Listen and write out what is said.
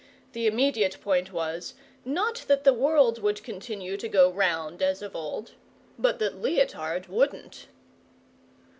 The immediate point was, not that the world would continue to go round as of old, but that Leotard wouldn't.